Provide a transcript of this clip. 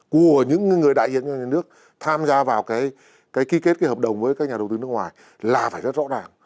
của những người đại diện nhà nước tham gia vào cái ký kết cái hợp đồng với các nhà đầu tư nước ngoài là phải rất rõ ràng